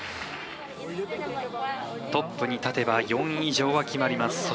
トップに立てば４位以上は決まります。